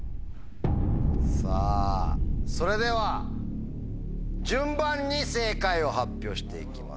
さぁそれでは順番に正解を発表して行きます。